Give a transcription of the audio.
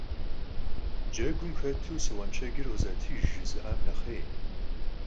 Cegum xetu «Si ğuenşşecır khızetıjj» jjızı'am nexhêy.